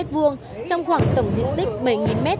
trong khoảng tổng diện tích bảy m